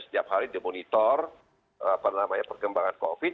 setiap hari dimonitor perkembangan covid